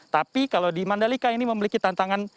tapi kalau di mandalika ini memiliki tantangan